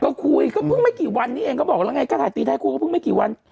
ก็คุยก็เพิ่งไม่กี่วันนี้เองก็บอกแล้วไงก็ถ่ายตีไทยคุยก็เพิ่งไม่กี่วัน